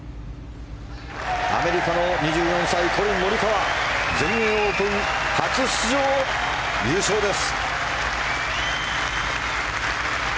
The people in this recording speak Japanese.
アメリカの２４歳コリン・モリカワ全英オープン初出場、優勝です。